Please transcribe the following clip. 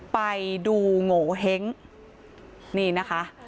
ไปดูโงเห้งนี่นะคะ